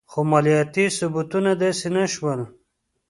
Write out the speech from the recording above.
خو مالیاتي ثبتونه داسې نه شول.